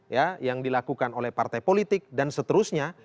ya yang dilakukan oleh partai politik dan seterusnya